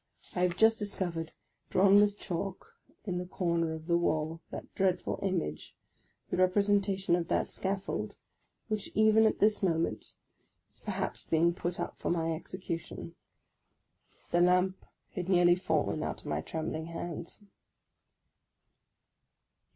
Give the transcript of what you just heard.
I have just discovered, drawn with chalk in the corner of the wall, that dreadful image, the representation of that scaffold, which even at this moment is perhaps being put up for my execution ! The lamp had nearly fallen out of my trembling hands